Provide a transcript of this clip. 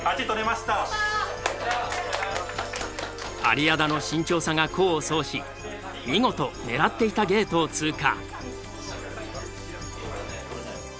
有屋田の慎重さが功を奏し見事狙っていたゲートを通過。